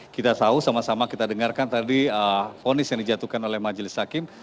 kita tahu sama sama kita dengarkan tadi ponis yang dijatuhkan oleh majelis hakim